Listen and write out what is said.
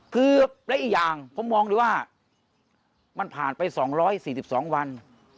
คือและอีกอย่างผมมองดูว่ามันผ่านไป๒๔๒วัน